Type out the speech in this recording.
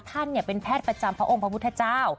ท่านเป็นแพทย์ประจำพระองค์พระพุทธเจ้า